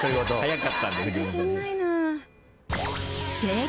自信ないな。